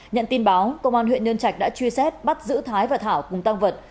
nhận tin báo công an huyện nhân trạch đã truy xét bắt giữ thái và thảo cùng tăng vật